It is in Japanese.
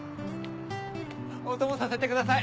お供させてください！